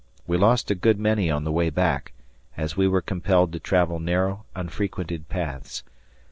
We lost a good many on the way back, as we were compelled to travel narrow unfrequented paths.